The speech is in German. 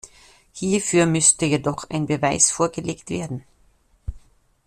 Hierfür müsste jedoch ein Beweis vorgelegt werden!